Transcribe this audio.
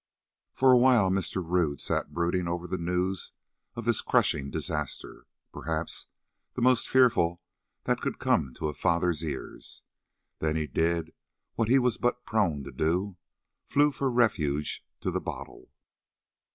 For a while Mr. Rodd sat brooding over the news of this crushing disaster, perhaps the most fearful that could come to a father's ears; then he did what he was but too prone to do—flew for refuge to the bottle.